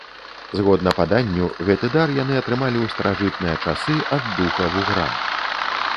Згодна паданню, гэты дар яны атрымалі ў старажытныя часы ад духа-вугра.